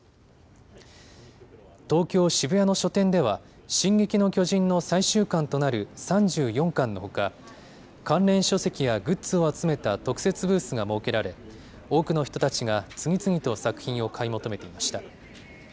東京・渋谷の書店では、進撃の巨人の最終巻となる３４巻のほか、関連書籍やグッズを集めた特設ブースが設けられ、多くの人たちが次々と作品を買い求めていました。